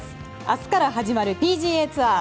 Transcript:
明日から始まるＰＧＡツアーＺＯＺＯ